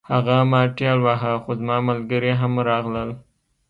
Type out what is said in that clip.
هغه ما ټېل واهه خو زما ملګري هم راغلل